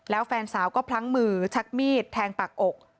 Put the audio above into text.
แล้วแฟนสาวก็พลั้งมือชักมีดแทงปากอก